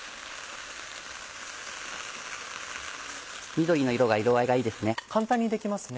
緑の色が色合いがいいですね。